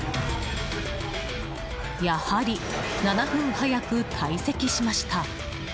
やはり７分早く退席しました。